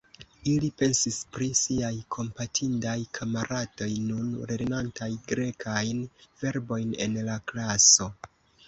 Ili pensis pri siaj kompatindaj kamaradoj, nun lernantaj grekajn verbojn en la klaso.